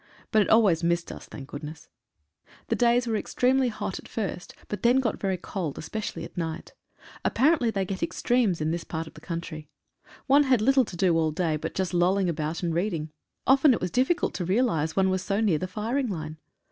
But it always missed us, thank goodness. The 79 MEN AND MACHINE GUNS. days were extremely hot at first, but then got very cold, especially at night. Apparently they get extremes in this part of the country. One had little to do all day. but just lolling about and reading. Often it was diffi cult to realise one was so near the firing line.